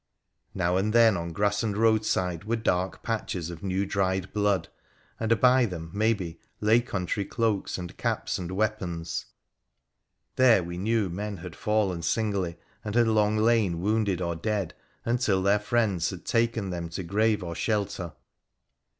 Now and then, on grass and roadside, were dark patches of new dried blood, and by them, maybe, lay country cloaks and caps and weapons. There we knew men had fallen singly, and had long lain wounded or dead, until their friends had taken them to grave or shelter.